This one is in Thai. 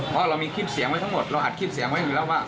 เพราะเรามีคลิปเสียงไว้ทั้งหมดเราอัดคลิปเสียงไว้อยู่แล้วว่า